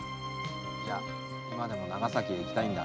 いや今でも長崎へ行きたいんだ。